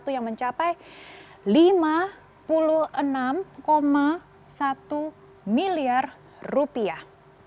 yang mencapai lima puluh enam satu miliar rupiah